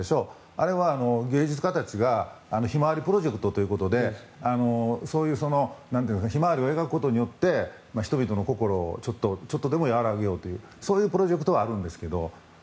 あれは芸術家たちがヒマワリプロジェクトとそういうヒマワリを描くことによって人々の心をちょっとでも和らげようというそういうプロジェクトはあるんですけど。